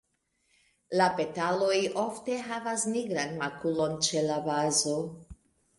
La petaloj ofte havas nigran makulon ĉe la bazo.